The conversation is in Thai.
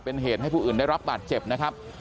เป็นเหตุให้ผู้อื่นได้รับบาดเจ็บนะครับ